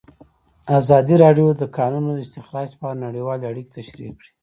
ازادي راډیو د د کانونو استخراج په اړه نړیوالې اړیکې تشریح کړي.